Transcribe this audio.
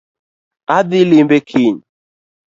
Adhii limbe kiny